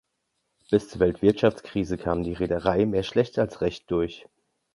Bis zur Weltwirtschaftskrise kamen die Reederei mehr schlecht als recht durch.